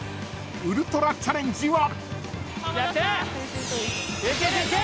［ウルトラチャレンジは］